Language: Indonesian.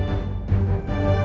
aku mau kemana